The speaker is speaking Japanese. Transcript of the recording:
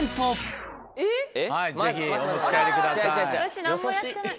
私何もやってない。